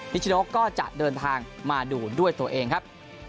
ชโนก็จะเดินทางมาดูด้วยตัวเองครับ